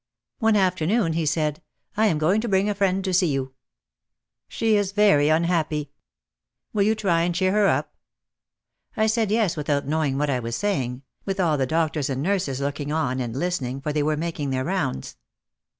One afternoon he said, "I am going to bring a friend to see you. She is very unhappy; will you try and cheer her up ?" I said yes without knowing what I was saying, with all the doctors and nurses looking on and listening, for they were making their rounds.